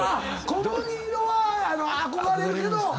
小麦色は憧れるけど。